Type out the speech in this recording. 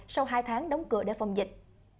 sau hai tháng đóng cửa để phòng dịch